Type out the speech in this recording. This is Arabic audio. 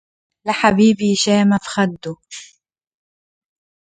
لحبيبي شامة في خده